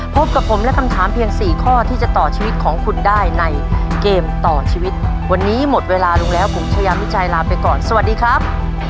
พบกับผมและคำถามเพียง๔ข้อที่จะต่อชีวิตของคุณได้ในเกมต่อชีวิตวันนี้หมดเวลาลงแล้วผมชายามิชัยลาไปก่อนสวัสดีครับ